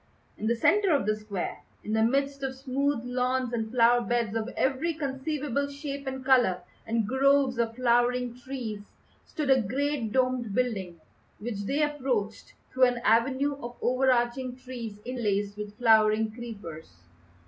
In the centre of the square, in the midst of smooth lawns and flower beds of every conceivable shape and colour, and groves of flowering trees, stood a great domed building, which they approached through an avenue of overarching trees interlaced with flowering creepers.